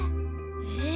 え